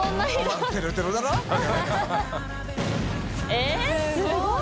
えぇすごい！